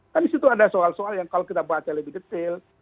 kan di situ ada soal soal yang kalau kita baca lebih detail